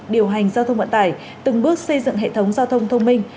điều hành giao thông vận tải từng bước xây dựng hệ thống giao thông thông minh